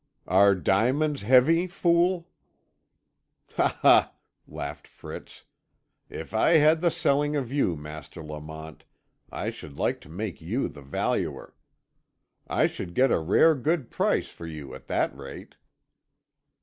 "Are diamonds heavy, fool?" "Ha, ha!" laughed Fritz, "if I had the selling of you, Master Lamont, I should like to make you the valuer. I should get a rare good price for you at that rate."